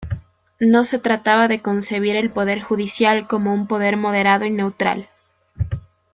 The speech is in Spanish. No se trataba de concebir el poder judicial como un poder moderado y neutral.